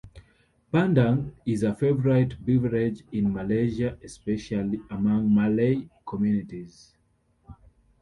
"Bandung" is a favourite beverage in Malaysia, especially among Malay communities.